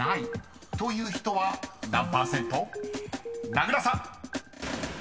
［名倉さん］